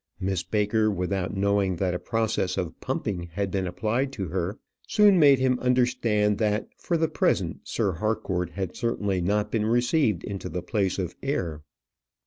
Miss Baker, without knowing that a process of pumping had been applied to her, soon made him understand that for the present Sir Harcourt had certainly not been received into the place of heir.